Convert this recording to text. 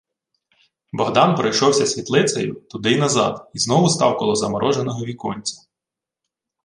Богдан пройшовся світлицею туди й назад і знову став коло замороженого віконця.